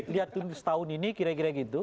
lihat setahun ini kira kira gitu